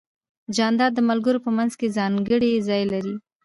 جانداد د ملګرو په منځ کې ځانګړی ځای لري.